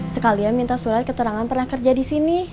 sekalian minta surat keterangan pernah kerja disini